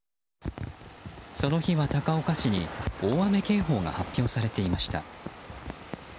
その日は高岡市に大雨警報が発表されていました。